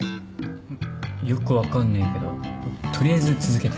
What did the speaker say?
よく分かんねえけど取りあえず続けて。